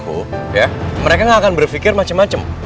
ya mereka gak akan berfikir macem macem